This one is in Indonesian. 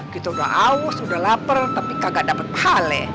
kita udah aus udah lapar tapi kagak dapat pahale